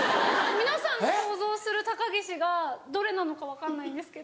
皆さんの想像する高岸がどれなのか分かんないんですけど。